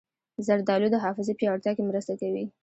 زردالو د حافظې پیاوړتیا کې مرسته کوي.